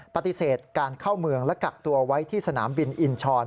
ปฏิเสธการเข้าเมืองและกักตัวไว้ที่สนามบินอินชร